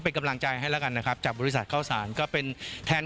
เป็นกำลังใจให้แล้วกันนะครับจากบริษัทเข้าสารก็เป็นแทน